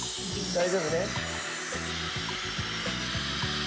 大丈夫ね。